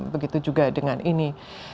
begitu juga dengan ini